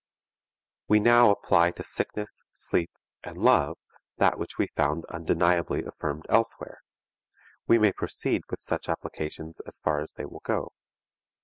We now apply to sickness, sleep and love that which we found undeniably affirmed elsewhere. We may proceed with such applications as far as they will go.